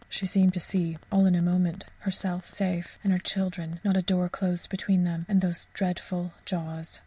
She seemed to see, all in a moment, herself safe, and her children not a door closed between them and those dreadful jaws!